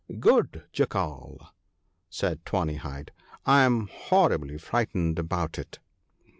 'Good Jackal/ said Tawny hide, 'I am horribly frightened about it.'